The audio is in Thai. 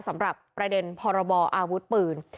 สำหรับประเด็นพรบออาวุธปืน